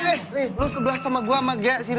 nih lu sebelah sama gue sama gaya